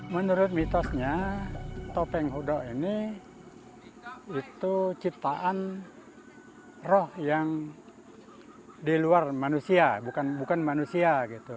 menurut mitosnya topeng hudok ini itu ciptaan roh yang di luar manusia bukan manusia